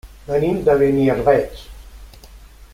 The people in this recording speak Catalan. Venim de Beniarbeig.